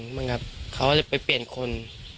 เขาก็เลยไปเปลี่ยนคน